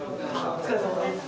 お疲れさまです。